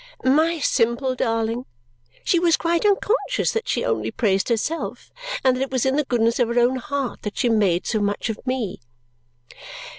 My simple darling! She was quite unconscious that she only praised herself and that it was in the goodness of her own heart that she made so much of me!